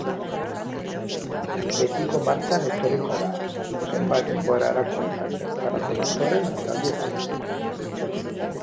Betiko martxan etorriko da, zenbat denborarako eta zertarako datorren azaldu gabe.